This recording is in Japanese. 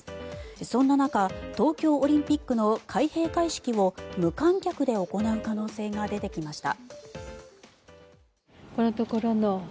そんな中東京オリンピックの開閉会式を無観客で行う可能性が出てきました。